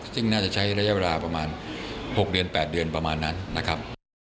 ซึ่งน่าจะใช้ระยะเวลาประมาณ๖เดือน๘เดือนประมาณนั้นนะครับ